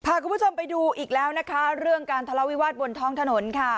พาคุณผู้ชมไปดูอีกแล้วนะคะเรื่องการทะเลาวิวาสบนท้องถนนค่ะ